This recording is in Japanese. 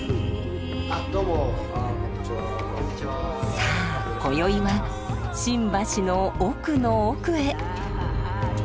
さあ今宵は新橋の奥の奥へ。